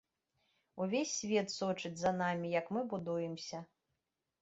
Увесь свет сочыць за намі, як мы будуемся.